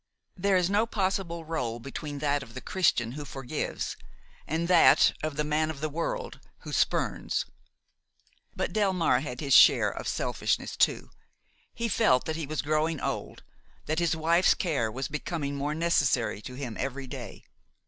There is no possible rôle between that of the Christian who forgives and that of the man of the world who spurns. But Delmare had his share of selfishness too; he felt that he was growing old, that his wife's care was becoming more necessary to him every day.